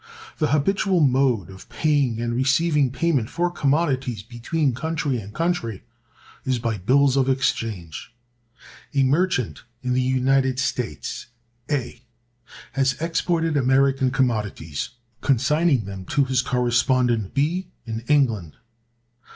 The habitual mode of paying and receiving payment for commodities, between country and country, is by bills of exchange. A merchant in the United States, A, has exported American commodities, consigning them to his correspondent, B, in England.